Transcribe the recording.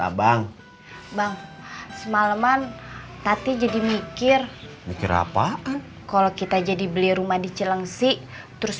abang bang semaleman tapi jadi mikir mikir apa kalau kita jadi beli rumah di celang sih terus